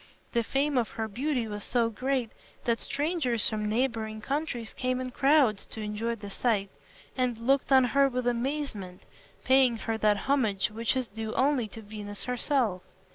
The fame of her beauty was so great that strangers from neighboring countries came in crowds to enjoy the sight, and looked on her with amazement, paying her that homage which is due only to Venus herself.